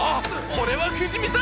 ⁉俺は不死身さ！！